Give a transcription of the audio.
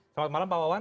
selamat malam pawawan